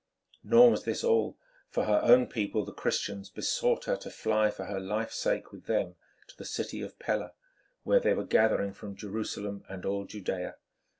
Nor was this all, for her own people, the Christians, besought her to fly for her life's sake with them to the city of Pella, where they were gathering from Jerusalem and all Judæa.